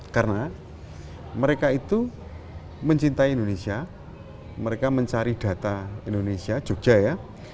karena mereka itu mencintai indonesia mereka mencari data indonesia jogja ya